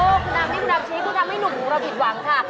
โอ้โฮคุณธรรมนี่คุณธรรมชีคุณธรรมให้หนุ่มของเราผิดหวังค่ะ